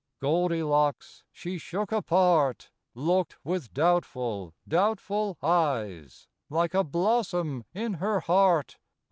Goldilocks she shook apart, Looked with doubtful, doubtful eyes, Like a blossom in her heart